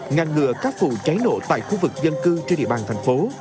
ngăn ngừa các vụ cháy nổ tại khu vực dân cư trên địa bàn thành phố